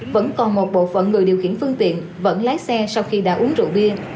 vẫn còn một bộ phận người điều khiển phương tiện vẫn lái xe sau khi đã uống rượu bia